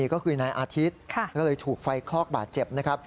ก็คือนายอาทิตย์ก็เลยถูกไฟคลอกบาดเจ็บนะครับ